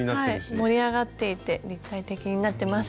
盛り上がっていて立体的になってます。